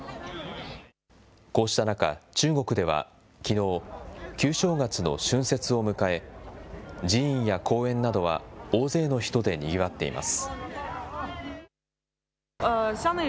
こうした中、中国ではきのう、旧正月の春節を迎え、寺院や公園などは大勢の人でにぎわっています。